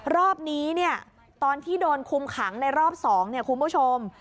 รอบนี้เนี่ยตอนที่โดนคุมขังในรอบ๒คุณผู้ชม